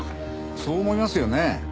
そう思いますよね。